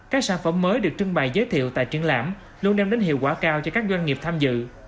các sản phẩm mới được trưng bày giới thiệu tại triển lãm luôn đem đến hiệu quả cao cho các doanh nghiệp tham dự